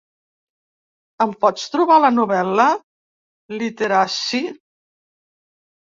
Em pots trobar la novel·la, Literacy?